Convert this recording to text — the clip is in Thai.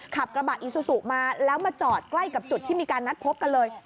ขับกระบะอีซูซูมาแล้วมาจอดใกล้กับจุดที่มีการนัดพบกันเลย